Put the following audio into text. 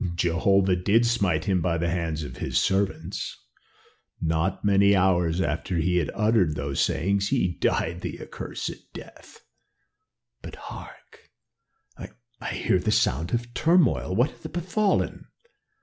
"Jehovah did smite him by the hand of his servants; not many hours after he had uttered those sayings he died the accursed death But hark! I hear a sound of turmoil; what hath befallen?